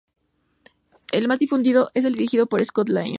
El más difundido es el dirigido por Scott Lyon.